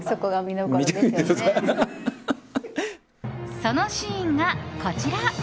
そのシーンがこちら！